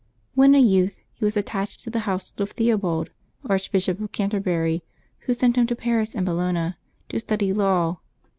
When a youth he was attached to the household of Theobald, Archbishop of Can terbury, who sent him to Paris and Bologna to study law.